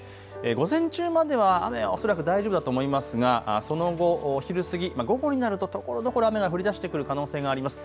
午前中までは雨は恐らく大丈夫だと思いますがその後、お昼過ぎ、午後になるとところどころ雨が降りだしてくる可能性があります。